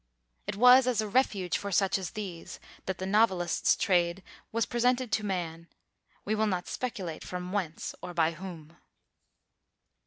It was as a refuge for such as these that the novelist's trade was presented to man, we will not speculate from whence or by whom....